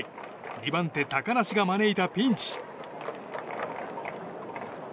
２番手、高梨が招いたピンチ。